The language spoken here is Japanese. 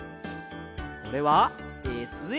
これはＳＬ！